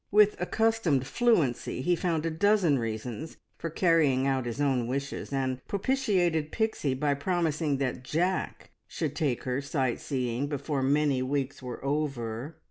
With accustomed fluency, he found a dozen reasons for carrying out his own wishes, and propitiated Pixie by promising that Jack should take her sight seeing before many weeks were over.